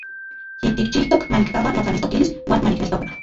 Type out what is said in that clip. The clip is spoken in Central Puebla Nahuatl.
Yitikchijtok manikkaua notlaneltokilis uan manikneltoka.